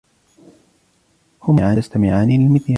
هما تستمعان للمذياع.